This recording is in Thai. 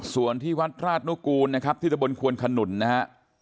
ส่วนที่วัดราชนุกูลนะครับที่ตะบนควนขนุนนะฮะ